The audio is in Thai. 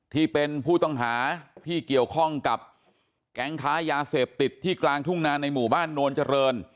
ที่เป็นผู้ต้องหาที่เกี่ยวข้องกับแก๊งค้ายาเสพติดที่กลางทุ่งนาในหมู่บ้านโนนเจริญ